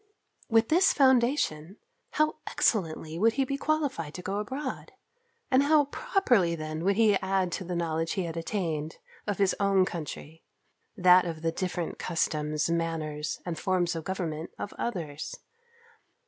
With this foundation, how excellently would he be qualified to go abroad! and how properly then would he add to the knowledge he had attained of his own country, that of the different customs, manners, and forms of government of others!